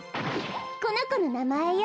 このこのなまえよ。